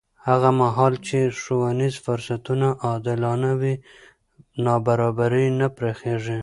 هغه مهال چې ښوونیز فرصتونه عادلانه وي، نابرابري نه پراخېږي.